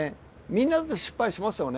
みんなだって失敗しますよね。